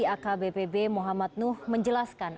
akbpb muhammad nuh menjelaskan